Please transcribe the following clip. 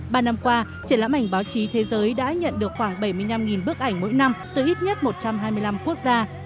ba năm qua triển lãm ảnh báo chí thế giới đã nhận được khoảng bảy mươi năm bức ảnh mỗi năm từ ít nhất một trăm hai mươi năm quốc gia